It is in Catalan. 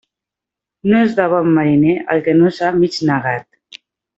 No és de bon mariner el que no s'ha mig negat.